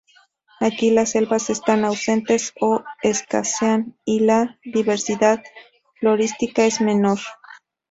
Aquí las selvas están ausentes o escasean, y la diversidad florística es menor.